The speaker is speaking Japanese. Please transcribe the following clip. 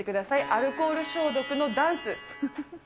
アルコール消毒のダンス。